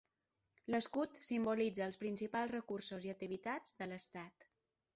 L'escut simbolitza els principals recursos i activitats de l'estat.